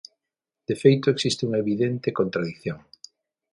De feito existe unha evidente contradición.